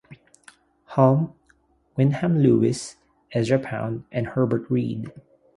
Hulme, Wyndham Lewis, Ezra Pound and Herbert Read.